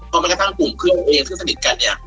พอมากระทั่งกลุ่มเพื่อนอังกฤษสนิทกันเนี่ย